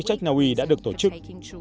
các trách naui đã được tổ chức